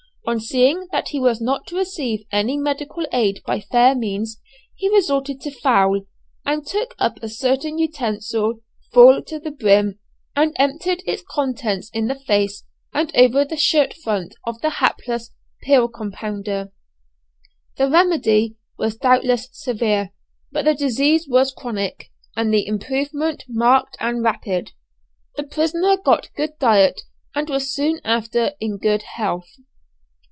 On seeing that he was not to receive any medical aid by fair means, he resorted to foul, and took up a certain utensil, full to the brim, and emptied its contents in the face and over the shirt front of the hapless pill compounder. The remedy was doubtless severe, but the disease was chronic and the improvement marked and rapid. The prisoner got good diet and was soon after in good health.